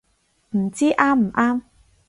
唔知啱唔啱